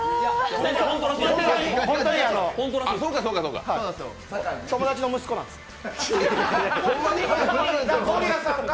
ホンマに友達の息子なんですよ。